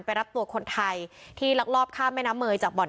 รับตัวคนไทยที่ลักลอบข้ามแม่น้ำเมย์จากบ่อน